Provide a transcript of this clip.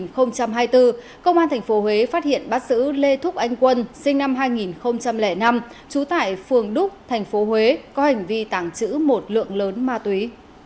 công an thành phố huế phát hiện bắt giữ lê thúc anh quân sinh năm hai nghìn năm trú tại phường đúc thành phố huế có hành vi tàng trữ một lượng lớn ma túy